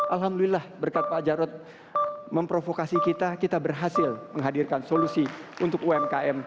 alhamdulillah berkat pak jarod memprovokasi kita kita berhasil menghadirkan solusi untuk umkm